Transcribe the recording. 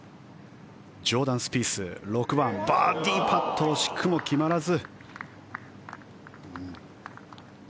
ジョーダン・スピース６番、バーディーパット惜しくも決まらず。